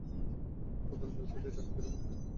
তারা কোদাল-বেলচা নিয়ে তাকবীরধ্বনি দিয়ে মাটি সরাতে থাকেন।